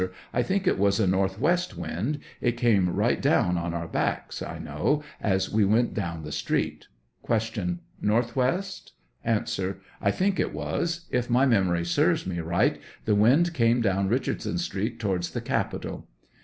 I think it was a northwest wind ; it came right down on our backs, I know, as we went down the street. Q. Northwest? A. I think it was; if my memory serves me right, the wind came down Eichardson Street towards the capitol.